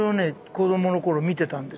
子どもの頃見てたんです。